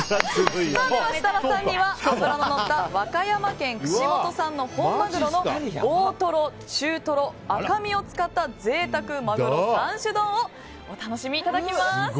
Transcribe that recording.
設楽さんには脂ののった和歌山県串本産の本マグロ大トロ、中トロ、赤身を使った贅沢マグロ３種丼をお楽しいいただきます。